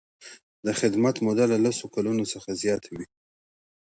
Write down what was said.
د خدمت موده له لس کلونو څخه زیاته وي.